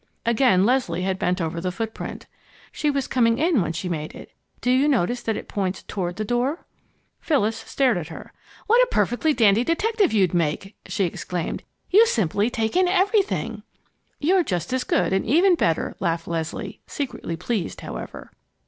Again Leslie had bent over the footprint. "She was coming in when she made it. Do you notice that it points toward the door?" Phyllis stared at her. "What a perfectly dandy detective you'd make!" she exclaimed. "You simply take in everything!" "You're just as good and even better!" laughed Leslie, secretly pleased, however.